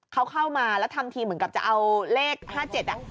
เข้ามาแล้วทำทีเหมือนกับจะเอาเล็ก๕๗แล้ว